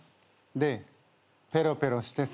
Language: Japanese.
でレロレロしてさ。